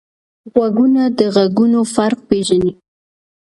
غوږونه د غږونو فرق پېژني